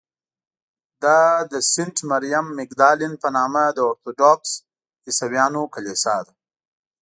دا د سینټ مریم مګدالین په نامه د ارټوډکس عیسویانو کلیسا ده.